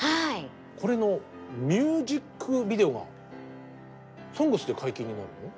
これのミュージックビデオが「ＳＯＮＧＳ」で解禁になるの？